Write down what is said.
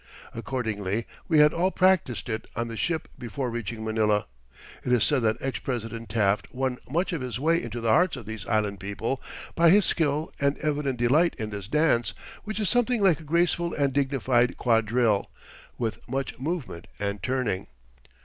Accordingly, we had all practised it on the ship before reaching Manila. It is said that ex President Taft won much of his way into the hearts of these island people by his skill and evident delight in this dance, which is something like a graceful and dignified quadrille, with much movement and turning.